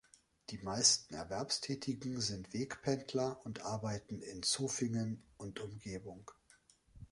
Die meisten Erwerbstätigen sind Wegpendler und arbeiten in Zofingen und Umgebung.